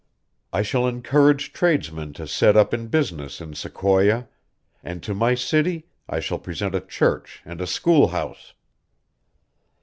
I shall encourage tradesmen to set up in business in Sequoia, and to my city I shall present a church and a schoolhouse.